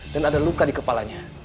dan ada luka di kepalanya